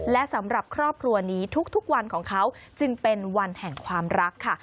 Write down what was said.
และสำหรับครอบครัวนี้ทุกวันของเขาจึงเป็นวันแห่งความรักค่ะ